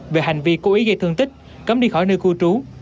về hành vi cố ý gây thương tích cấm đi khỏi nơi cư trú